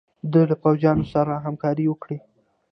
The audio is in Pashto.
ده له پوځونو سره همکاري وکړي.